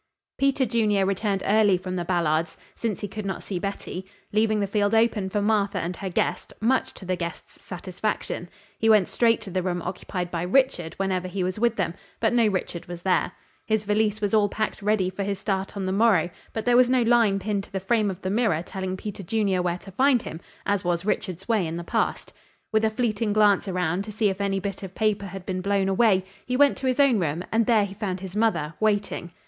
Peter Junior returned early from the Ballards', since he could not see Betty, leaving the field open for Martha and her guest, much to the guest's satisfaction. He went straight to the room occupied by Richard whenever he was with them, but no Richard was there. His valise was all packed ready for his start on the morrow, but there was no line pinned to the frame of the mirror telling Peter Junior where to find him, as was Richard's way in the past. With a fleeting glance around to see if any bit of paper had been blown away, he went to his own room and there he found his mother, waiting.